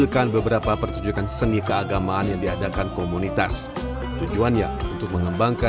saya berharap nanti kebelakangnya pak ganjar bisa jadi presiden ya